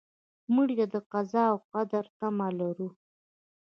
مړه ته د قضا او قدر تمه لرو